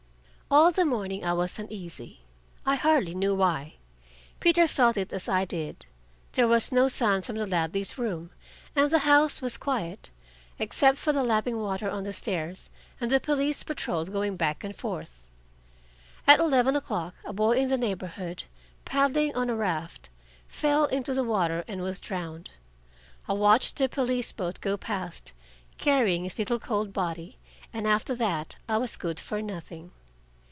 All the morning I was uneasy I hardly knew why. Peter felt it as I did. There was no sound from the Ladleys' room, and the house was quiet, except for the lapping water on the stairs and the police patrol going back and forth. At eleven o'clock a boy in the neighborhood, paddling on a raft, fell into the water and was drowned. I watched the police boat go past, carrying his little cold body, and after that I was good for nothing.